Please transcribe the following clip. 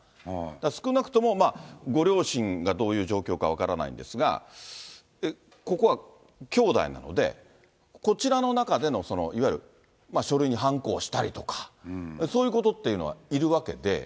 少なくとも、ご両親がどういう状況か分からないんですが、ここは兄妹なので、こちらの中でのいわゆる書類にはんこを押したりとか、そういうことっていうのはいるわけで。